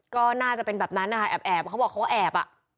ก็น่าจะเป็นแบบนั้นนะคะแอบเขาบอกเขาแอบอ่ะ